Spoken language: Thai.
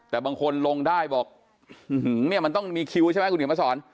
แต่บางคนลงได้บอกเนี่ยมันต้องมีคิวใช่ไหมคุณเขียนมาสอน